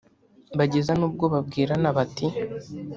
bageze n’ubwo babwirana bati